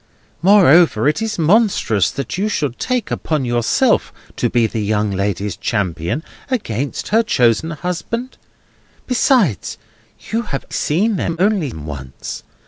Moreover, it is monstrous that you should take upon yourself to be the young lady's champion against her chosen husband. Besides, you have seen them only once.